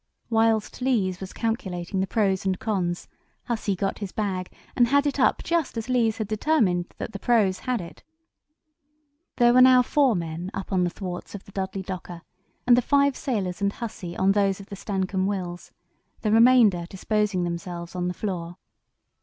Whilst Lees was calculating the pros and cons Hussey got his bag, and had it up just as Lees had determined that the pros had it. There were now four men up on the thwarts of the Dudley Docker, and the five sailors and Hussey on those of the Stancomb Wills, the remainder disposing themselves on the floor."